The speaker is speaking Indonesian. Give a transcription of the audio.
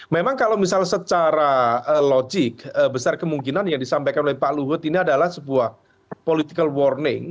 memang kalau misal secara logik besar kemungkinan yang disampaikan oleh pak luhut ini adalah sebuah political warning